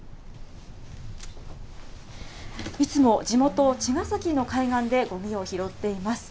いつも、地元茅ヶ崎の海岸でごみを拾っています。